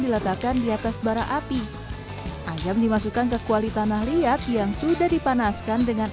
diletakkan di atas bara api ayam dimasukkan ke kuali tanah liat yang sudah dipanaskan dengan